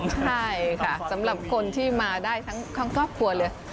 ใช่ค่ะสำหรับคนที่มาได้ทั้งครอบครัวเลย